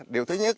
điều thứ nhất